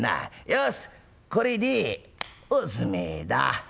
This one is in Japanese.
よしこれでおしめえだ。